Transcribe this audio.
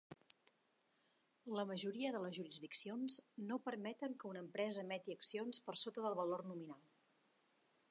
La majoria de les jurisdiccions no permeten que una empresa emeti accions per sota del valor nominal.